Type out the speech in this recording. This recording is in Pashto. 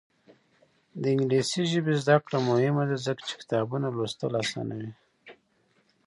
د انګلیسي ژبې زده کړه مهمه ده ځکه چې کتابونه لوستل اسانوي.